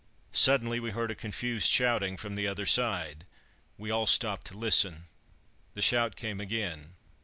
Suddenly we heard a confused shouting from the other side. We all stopped to listen. The shout came again.